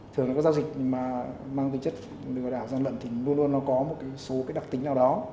thường là các giao dịch mà mang tính chất lừa đảo gian lận thì luôn luôn nó có một số cái đặc tính nào đó